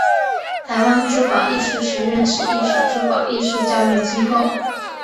台湾珠宝艺术学院是一所珠宝艺术教育机构。